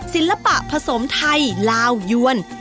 ศิลปะผสมไทยลาวยวน